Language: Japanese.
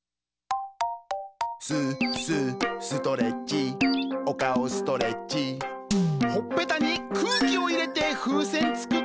「ス、ス、ストレッチＯＫＡＯストレッチ」「ほっぺたに空気を入れて風船作って」